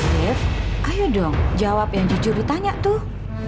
def ayo dong jawab yang jujur ditanya tuh